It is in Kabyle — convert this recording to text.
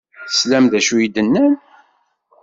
Teslam d acu i d-nnan?